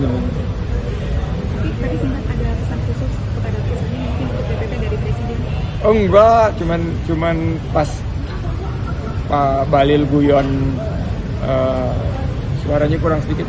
enggak cuman cuman pas pak balil guyon suaranya kurang sedikit empat